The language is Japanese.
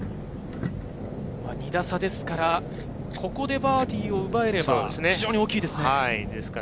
２打差ですから、ここでバーディーを奪えれば非常に大きいですね。